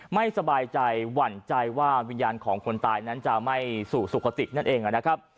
ไม่สบายใจหวั่นใจว่าวิญญาณของคนตายนั้นจะไม่สู่สุขตินั่นเองนะครับ